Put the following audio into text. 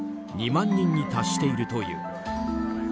２万人に達しているという。